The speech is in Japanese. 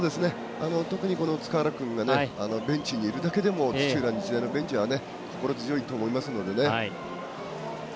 特に塚原君がベンチにいるだけでも土浦日大のベンチは心強いと思いますのでね。